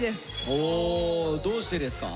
おどうしてですか？